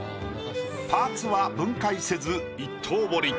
パーツは分解せず一刀彫り。